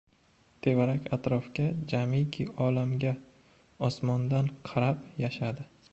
Tevarak-atrofga, jamiki olamga osmondan qarab yashadi.